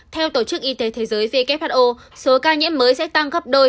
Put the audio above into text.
theo tổ chức y tế thế giới who số ca nhiễm mới sẽ tăng gấp đôi